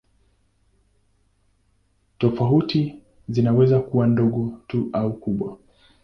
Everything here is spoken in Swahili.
Tofauti zinaweza kuwa ndogo tu au kubwa.